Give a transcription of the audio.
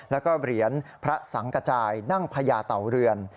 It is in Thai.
แล้วก็เหรียญพระสังกระจายนั่งพญาเต่าเรือน